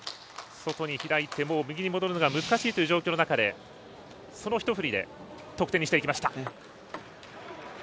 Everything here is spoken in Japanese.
外に開いて右に戻るのが難しいという状況の中でそのひと振りで得点にしていきました。